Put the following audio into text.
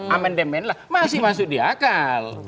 amen demen lah masih masuk di akal